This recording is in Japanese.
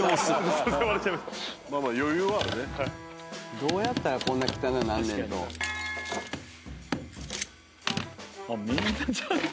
どうやったらこんな汚なんねんと。